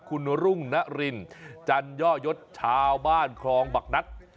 คุณรุ่งนรินจันย่อยศชาวบ้านครองบักนัด